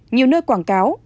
nhiều nơi quảng cáo